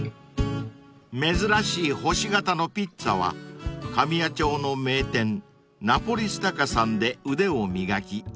［珍しい星形のピッツァは神谷町の名店ナポリスタカさんで腕を磨き受け継いだもの］